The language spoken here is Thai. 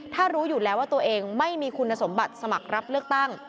ถ้ารู้อยู่แล้วว่าตัวเองไม่มีคุณสมบัติสมัครรับเลือกตั้ง